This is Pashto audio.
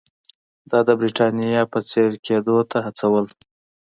دا د برېټانیا په څېر کېدو ته هڅول.